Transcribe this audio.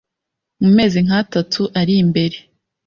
mu mezi nk’atatu ari imbere,